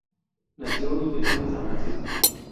Nació y creció en San Francisco.